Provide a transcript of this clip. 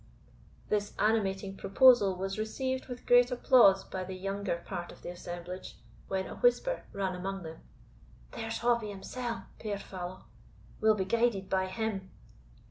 This animating proposal was received with great applause by the younger part of the assemblage, when a whisper ran among them, "There's Hobbie himsell, puir fallow! we'll be guided by him."